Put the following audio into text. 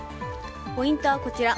ポイントはこちら。